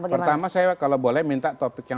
pertama saya kalau boleh minta topik yang